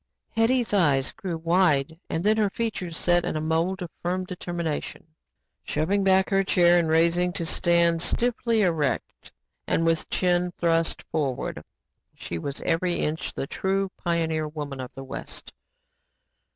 Hetty's eyes grew wide and then her features set in a mold of firm determination. Shoving back her chair and raising to stand stiffly erect and with chin thrust forward, she was every inch the True Pioneer Woman of the West.